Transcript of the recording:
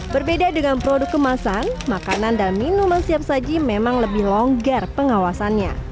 berbeda dengan produk kemasan makanan dan minuman siap saji memang lebih longgar pengawasannya